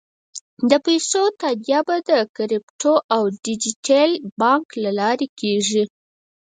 د پیسو تادیه به د کریپټو او ډیجیټل بانک له لارې کېږي.